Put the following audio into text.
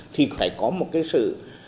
thì phải có một cái sự